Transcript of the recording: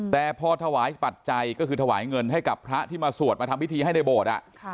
แต่พอถวายปัจจัยก็คือถวายเงินให้กับพระที่มาสวดมาทำพิธีให้ในโบสถ์